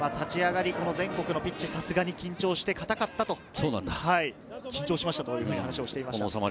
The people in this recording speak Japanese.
立ち上がり、全国のピッチ、さすがに緊張して硬かったと、緊張しましたと話をしていました。